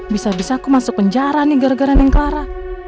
bisa bisa aku masuk penjara nih gara gara ning clara